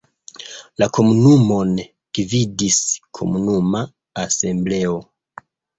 La komunumon gvidis komunuma asembleo.